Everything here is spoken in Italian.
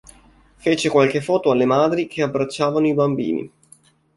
Fece qualche foto alle madri che abbracciavano i bambini.